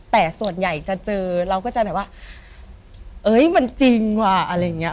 แต่ส่วนใหญ่จะเจอเราก็จะแบบว่าเอ้ยมันจริงว่ะอะไรอย่างนี้